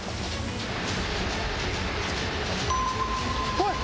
おい！